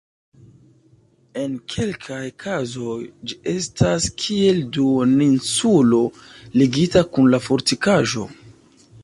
En kelkaj kazoj ĝi estas kiel duoninsulo ligita kun la fortikaĵo.